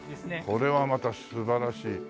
これはまた素晴らしい。